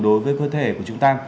đối với cơ thể của chúng ta